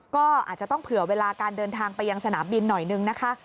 ก็อาจจะต้องเผื่อเวลาการเดินทางไปยังสนามบินหน่อยนึงนะคะ